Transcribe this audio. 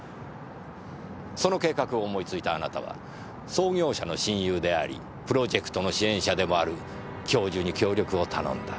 その計画を思いついたあなたは創業者の親友でありプロジェクトの支援者でもある教授に協力を頼んだ。